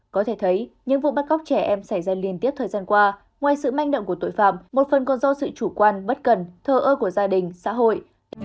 có thể thấy những vụ bắt cóc trẻ em xảy ra liên tiếp thời gian qua ngoài sự manh động của tội phạm một phần còn do sự chủ quan bất cần thờ ơ của gia đình xã hội